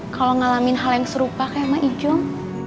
kalau ngalamin hal yang serupa kayak ma ijom